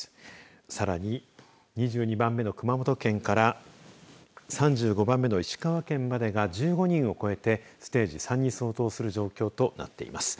さらに２２番目の熊本県から３５番目の石川県までが１５人を超えてステージ３に相当する状況となっています。